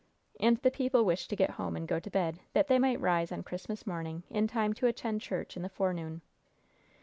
And the people wished to get home and go to bed, that they might rise on Christmas morning in time to attend church in the forenoon.